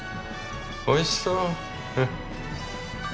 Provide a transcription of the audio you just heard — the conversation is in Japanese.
おいしそう。